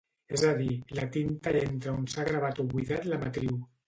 És a dir, la tinta entra on s'ha gravat o buidat la matriu.